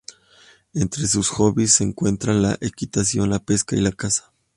Entre sus hobbies se encuentran la equitación, la pesca y la caza.